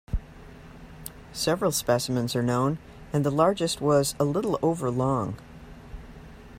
Several specimens are known and the largest was a little over long.